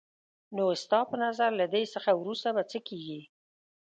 نو ستا په نظر له دې څخه وروسته به څه کېږي؟